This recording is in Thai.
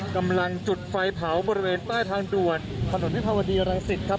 กำลังจุดไฟเผาบริเวณใต้ทางด่วนถนนวิภาวดีรังสิตครับ